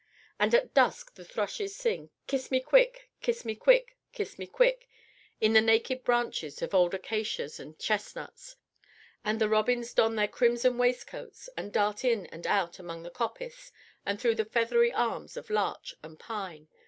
And at dusk the thrushes sing: "Kiss me quick! kiss me quick! kiss me quick" in the naked branches of old acacias and chestnuts, and the robins don their crimson waistcoats and dart in and out among the coppice and through the feathery arms of larch and pine.